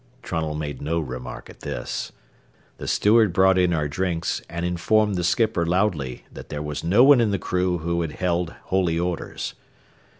Trunnell made no remark at this. The steward brought in our drinks and informed the skipper loudly that there was no one in the crew who had held holy orders.